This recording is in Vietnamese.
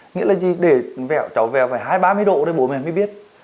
nghĩa là gì để cháu vẹo phải hai mươi ba mươi độ để bố mẹ mới biết